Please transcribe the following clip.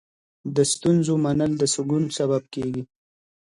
د ستونزو منل د سکون سبب کېږي.